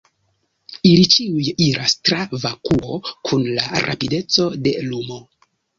Ili ĉiuj iras tra vakuo kun la rapideco de lumo.